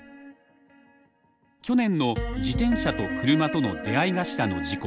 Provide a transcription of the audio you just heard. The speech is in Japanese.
去年の自転車と車との出会い頭の事故。